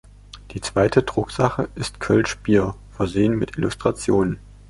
Die zweite Drucksache ist „Kölsch Bier“, versehen mit Illustrationen.